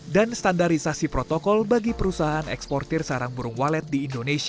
dan standarisasi protokol bagi perusahaan eksportir sarang burung walet di indonesia